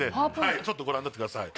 いちょっとご覧になってください